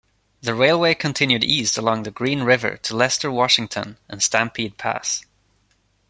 The railway continued east along the Green River to Lester, Washington and Stampede Pass.